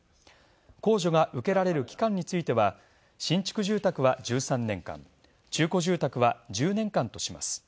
控除が受けられる期間については新築住宅は１３年間中古住宅は１０年間とします。